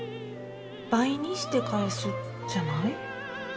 「倍」にして返すじゃない？